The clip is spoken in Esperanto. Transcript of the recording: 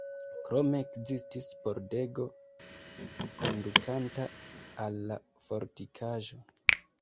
Krome ekzistis pordego kondukanta al la fortikaĵo.